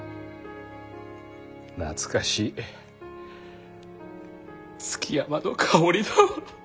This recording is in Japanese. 懐かしい築山の香りだわ。